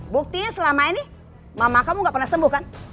buktinya selama ini mama kamu gak pernah sembuh kan